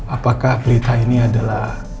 apakah berita ini adalah